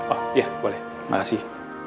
oh iya boleh makasih